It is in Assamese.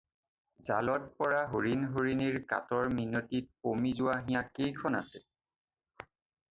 জালত পৰা হৰিণ-হৰিণীৰ কাতৰ মিনতিত পমি যোৱা হিয়া কেইখন আছে?